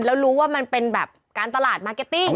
แล้วรู้ว่ามันเป็นแบบการตลาดมาร์เก็ตติ้ง